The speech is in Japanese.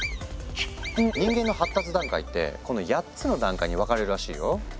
人間の発達段階ってこの８つの段階に分かれるらしいよ。